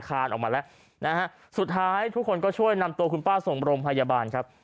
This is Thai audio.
คานออกมาแล้วนะฮะสุดท้ายทุกคนก็ช่วยนำตัวคุณป้าส่งโรงพยาบาลครับ